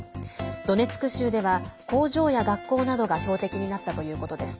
ドネツク州では工場や学校などが標的になったということです。